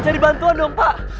cari bantuan dong pak